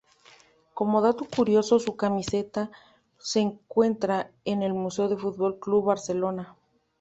Como dato curioso, su camiseta se encuentra en el Museo del Fútbol Club Barcelona.